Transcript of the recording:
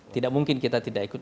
tidak mungkin kita tidak ikut